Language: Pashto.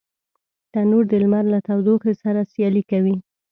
تنور د لمر له تودوخي سره سیالي کوي